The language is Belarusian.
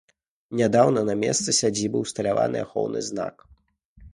Нядаўна на месцы сядзібы ўсталяваны ахоўны знак.